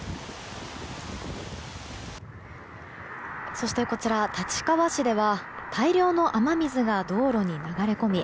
そして、立川市では大量の雨水が道路に流れ込み